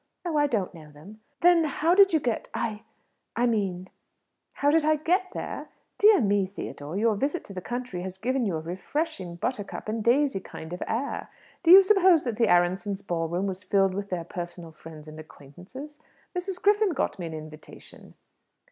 "Oh, I don't know them." "Then how did you get I mean " "How did I get there? Dear me, Theodore, your visit to the country has given you a refreshing buttercup and daisy kind of air! Do you suppose that the Aaronssohns' ball room was filled with their personal friends and acquaintances? Mrs. Griffin got me an invitation."